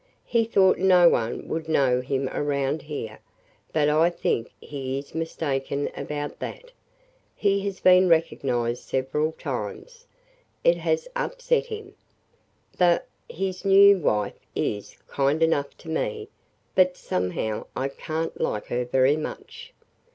He thought no one would know him around here, but I think he is mistaken about that. He has been recognized several times. It has upset him. The – his new wife is – kind enough to me but somehow I can't like her very much.